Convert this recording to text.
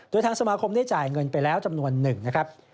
โดยทางสมาคมได้จ่ายเงินไปแล้วจำนวนหนึ่งนะครับ